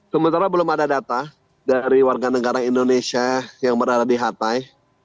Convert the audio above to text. sementara belum ada data dari warga negara indonesia yang berada di hatai